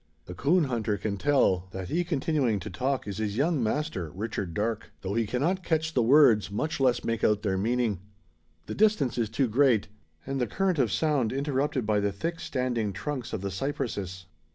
The coon hunter can tell, that he continuing to talk is his young master, Richard Darke; though he cannot catch, the words, much less make out their meaning. The distance is too great, and the current of sound interrupted by the thick standing trunks of the cypresses.